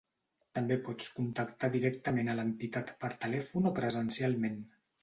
També pots contactar directament a l'entitat per telèfon o presencialment.